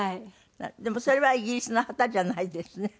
でもそれはイギリスの旗じゃないですね。